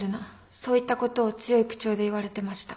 そういったことを強い口調で言われてました。